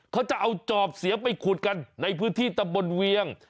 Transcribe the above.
เขาจะเอาจอบเสียไปขุดกันในพื้นที่ตำบลเวียง